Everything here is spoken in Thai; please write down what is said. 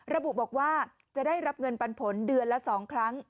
ระบุบอกว่าจะได้รับเงินปันผลเดือนละ๒ครั้ง